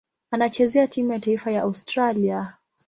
Anachezea timu ya taifa ya Australia.